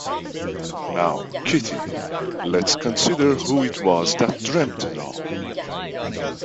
Now, Kitty, let’s consider who it was that dreamed it all.